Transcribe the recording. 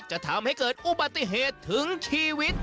จะทำให้เกิดอุบัติเหตุถึงชีวิต